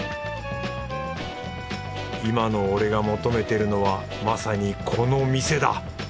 今の俺が求めてるのはまさにこの店だ！